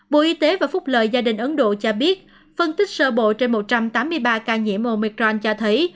bộ y tế và phúc lợi gia đình ấn độ cho biết phân tích sơ bộ trên một trăm tám mươi ba ca nhiễm momicron cho thấy